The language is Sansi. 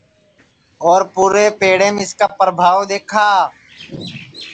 اور پُورے پیڑیم اِس کا پربھاو دؔیکھا